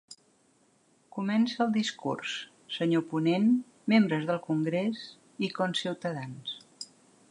Comença el discurs: Sr. ponent, membres del Congrés i conciutadans.